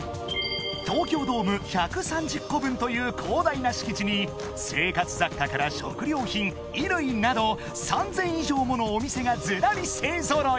［東京ドーム１３０個分という広大な敷地に生活雑貨から食料品衣類など３，０００以上ものお店がずらり勢ぞろい